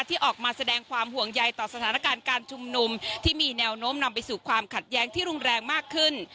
ที่ออกมาแสดงความห่วงใยต่อสถานการณ์การชุมนุมที่มีแนวโน้มนำไปสู่ความขัดแย้งที่รุนแรงมากขึ้น